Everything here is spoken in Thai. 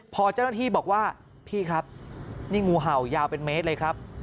พอเจ้าหน้าที่บอกว่าพี่ครับนี่งูเห่ายาวเป็นเมตรเลยครับ